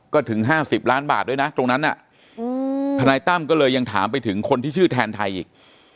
ก็ถึง๕๐ล้านบาทด้วยนะตรงนั้นทนายตั้มก็เลยยังถามไปถึงคนที่ชื่อแทนไทยอีก